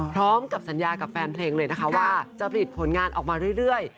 พร้อมกับสัญญากับแฟนเพลงเลยนะคะว่าจะผลิตผลงานออกมาเรื่อย